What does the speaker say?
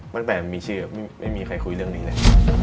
ตั้งแต่มีชื่อไม่มีใครคุยเรื่องนี้เลย